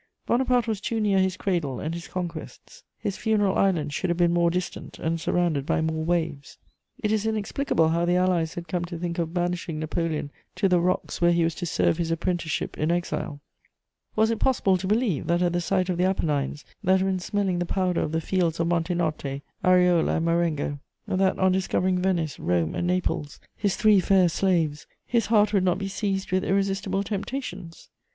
Bonaparte was too near his cradle and his conquests: his funeral island should have been more distant and surrounded by more waves. It is inexplicable how the Allies had come to think of banishing Napoleon to the rocks where he was to serve his apprenticeship in exile: was it possible to believe that at the sight of the Apennines, that when smelling the powder of the fields of Montenotte, Areola and Marengo, that on discovering Venice, Rome and Naples, his three fair slaves, his heart would not be seized with irresistible temptations?